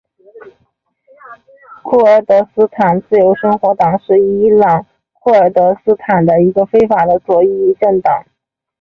库尔德斯坦自由生活党是伊朗库尔德斯坦的一个非法的左翼政党。